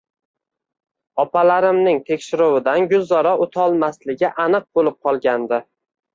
Opalarimning tekshiruvidan Gulzora o`tolmasligi aniq bo`lib qolgandi